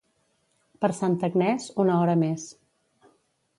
Per Santa Agnès, una hora més.